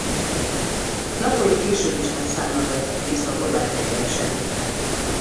Lakói később is nagy számban vettek részt a horvát fegyveres erőkben.